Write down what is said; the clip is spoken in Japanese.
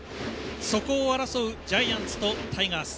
そこを争う、ジャイアンツとタイガース。